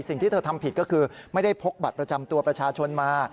สิ่งที่เธอทำผิดก็คือไม่ได้พกบัตรประจำตัวประชาชนมา